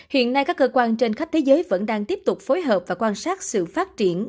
hiện nay các cơ quan trên khắp thế giới vẫn đang tiếp tục phối hợp và quan sát sự phát triển